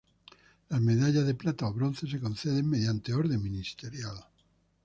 Las medallas de plata o bronce se conceden mediante orden ministerial.